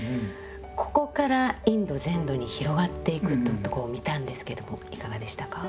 ここからインド全土に広がっていくというとこを見たんですけどもいかがでしたか？